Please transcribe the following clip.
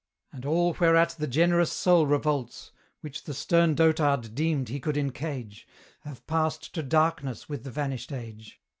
And all whereat the generous soul revolts, Which the stern dotard deemed he could encage, Have passed to darkness with the vanished age.